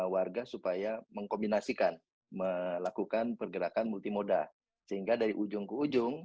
warga supaya mengkombinasikan melakukan pergerakan multimoda sehingga dari ujung ke ujung